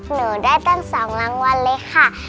หนูได้ตั้ง๒รางวัลเลยค่ะ